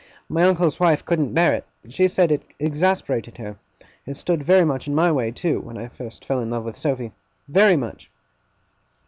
My uncle's wife couldn't bear it. She said it exasperated her. It stood very much in my way, too, when I first fell in love with Sophy. Very much!